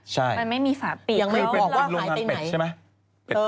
ใช่ยังไม่บอกว่าหายไปไหนมันไม่มีฝาปิด